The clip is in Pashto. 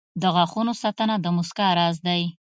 • د غاښونو ساتنه د مسکا راز دی.